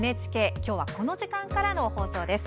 きょうはこの時間からの放送です。